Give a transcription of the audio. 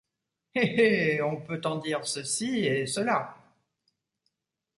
Hé! hé ! on en peut dire ceci et cela.